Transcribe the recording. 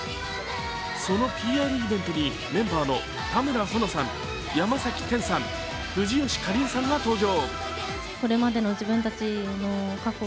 そのＰＲイベントにメンバーの田村保乃さん山崎天さん、藤吉夏鈴さんが登場。